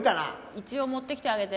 一応持ってきてあげて。